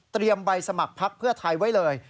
เตรียมใบสมัครพักเพื่อท้ายไว้เลย